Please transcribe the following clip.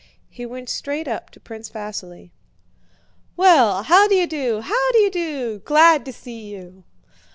He went straight up to Prince Vasíli. "Well! How d'ye do? How d'ye do? Glad to see you!"